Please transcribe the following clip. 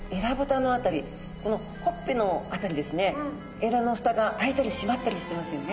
えらの蓋が開いたり閉まったりしてますよね。